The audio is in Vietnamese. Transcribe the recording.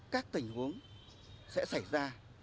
các tình huống sẽ xảy ra